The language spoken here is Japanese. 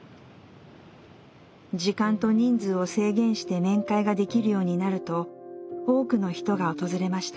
時間と人数を制限して面会ができるようになると多くの人が訪れました。